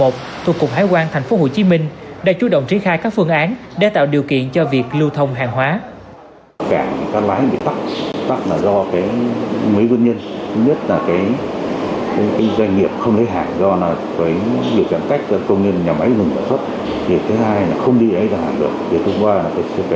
tổng cục hải quan tp hcm đã chú động triển khai các phương án để tạo điều kiện cho việc lưu thông hàng hóa